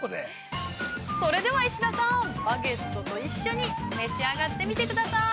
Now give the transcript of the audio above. ◆それでは石田さん、バゲットと一緒に召し上がってみてください。